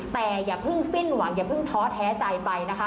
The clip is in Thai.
แต่อย่าเพิ่งสิ้นหวังอย่าเพิ่งท้อแท้ใจไปนะคะ